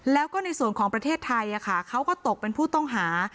แล้วก็ในส่วนของประเทศไทยเขาก็ตกเป็นผู้ต้องหา